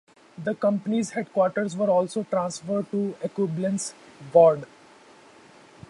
The company's headquarters were also transferred to Ecublens, Vaud.